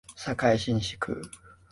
堺市西区